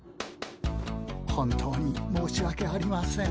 本当に申しわけありません。